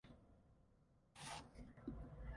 Therefore the statement is proved.